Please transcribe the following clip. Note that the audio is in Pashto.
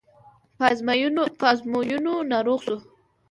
په ازموینو ناروغ شو.